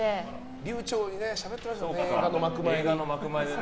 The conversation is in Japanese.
流暢にしゃべってましたよね